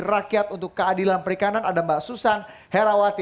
rakyat untuk keadilan perikanan ada mbak susan herawati